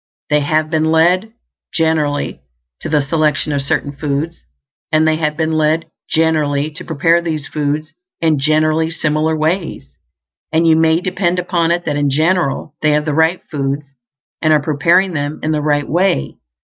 They have been led, generally, to the selection of certain foods; and they have been led, generally, to prepare these foods in generally similar ways; and you may depend upon it that in general they have the right foods and are preparing them in the right way.